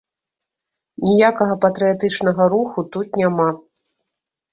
Ніякага патрыятычнага руху тут няма.